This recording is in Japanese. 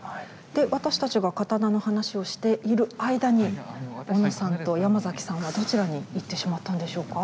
私たちが刀の話をしている間に小野さんとヤマザキさんはどちらに行ってしまったんでしょうか？